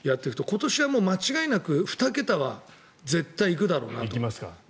今年は間違いなく２桁は絶対に行くだろうなと。